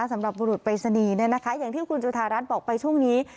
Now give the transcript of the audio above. สำหรับบุรุษปริศนีย์เนี่ยนะคะอย่างที่คุณจุธารัฐบอกไปช่วงนี้